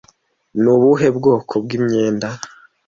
Ni ubuhe bwoko bw'imyenda